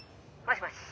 もしもし。